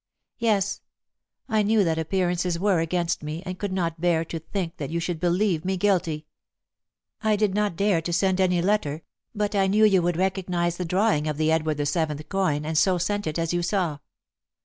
"Yes; I knew that appearances were against me, and could not bear to think that you should believe me guilty. I did not dare to send any letter, but I knew you would recognize the drawing of the Edward VII. coin, and so sent it as you saw."